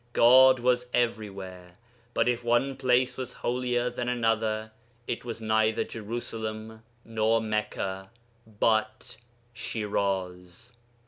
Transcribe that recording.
God was everywhere, but if one place was holier than another, it was neither Jerusalem nor Mecca, but Shiraz.